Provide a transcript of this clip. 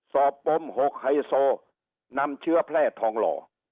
ปม๖ไฮโซนำเชื้อแพร่ทองหล่อ